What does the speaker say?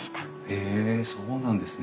へえそうなんですね。